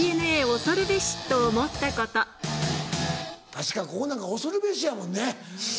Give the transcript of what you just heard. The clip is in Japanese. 確かにここなんか恐るべしやもんね。